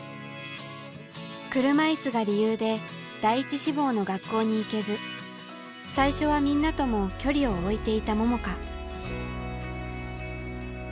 車いすが理由で第１志望の学校に行けず最初はみんなとも距離を置いていた桃佳。